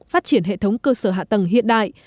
phát triển hệ thống cơ sở hạ tầng hiện đại